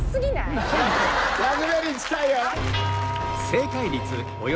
ラズベリー近いよ！